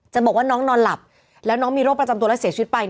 บอกว่าน้องนอนหลับแล้วน้องมีโรคประจำตัวแล้วเสียชีวิตไป